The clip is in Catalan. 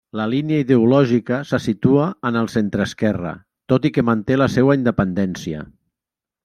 La línia ideològica se situa en el centreesquerra, tot i que manté la seua independència.